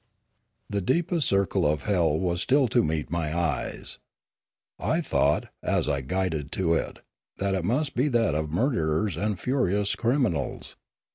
The deepest circle of hell was still to meet my eyes. I thought, as I was guided to it, that it must be that of murderers and furious criminals.